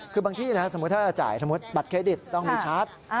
คือบางที่นะถ้าจ่ายสมมติบัตรเครดิตต้องมีชาร์จ